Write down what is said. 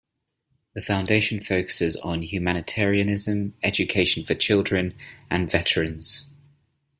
The Foundation focuses on humanitarianism, education for children, and veterans.